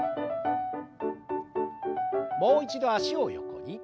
もう一度脚を横に。